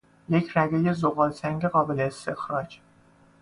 یک رگهی زغالسنگ قابل استخراج